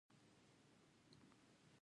تاریخ د وخت سفر دی.